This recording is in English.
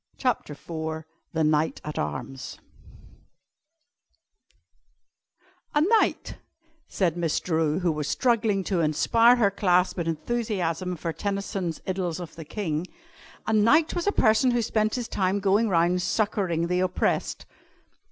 CHAPTER IV THE KNIGHT AT ARMS "A knight," said Miss Drew, who was struggling to inspire her class with enthusiasm for Tennyson's "Idylls of the King," "a knight was a person who spent his time going round succouring the oppressed."